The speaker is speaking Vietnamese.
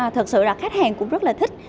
thật sự là khách hàng cũng rất là thích